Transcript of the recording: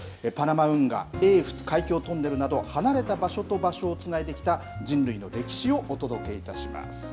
パナマ運河、英仏海峡トンネルなど、離れた場所と場所をつないできた人類の歴史をお届けします。